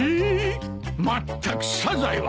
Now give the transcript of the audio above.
まったくサザエは。